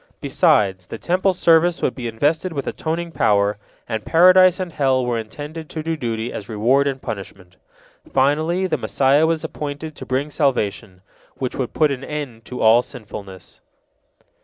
Besides, the Temple service would be invested with atoning power, and Paradise and hell were intended to do duty as reward and punishment. Finally, the Messiah was appointed to bring salvation, which would put an end to all sinfulness.